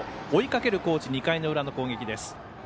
追いかける高知２回の裏の攻撃です。